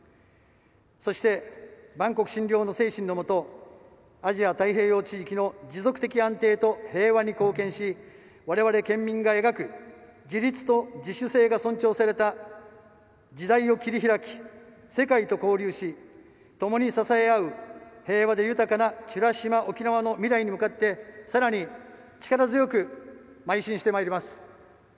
そして、万国津梁の精神のもとアジア太平洋地域の持続的安定と平和に貢献し我々県民が描く自立と自主性が尊重された「時代を切り拓き、世界と交流しともに支え合う平和で豊かな美ら島おきなわ」の未来に向かって更に、力強く邁進してまいります。